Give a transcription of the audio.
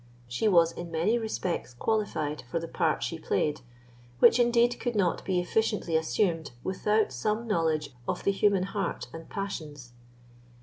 She was in many respects qualified for the part she played, which indeed could not be efficiently assumed without some knowledge of the human heart and passions.